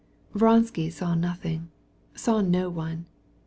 Vronsky saw nothing and no one.